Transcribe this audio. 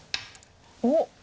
おっ！